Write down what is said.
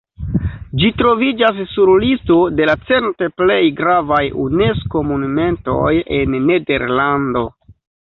Ĝi troviĝas sur listo de la cent plej gravaj Unesko-monumentoj en Nederlando.